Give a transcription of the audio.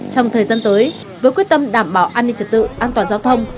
trong thời gian tới với quyết tâm đảm bảo an ninh trật tự an toàn giao thông